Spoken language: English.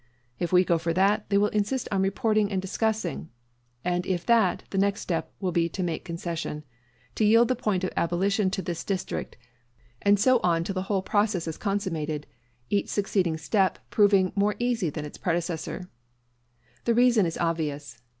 If we go for that, they will insist on reporting and discussing; and if that, the next step will be to make concession to yield the point of abolition in this District; and so on till the whole process is consummated, each succeeding step proving more easy than its predecessor. The reason is obvious.